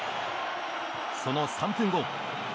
その３分後。